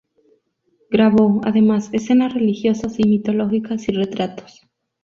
Grabó, además, escenas religiosas y mitológicas y retratos.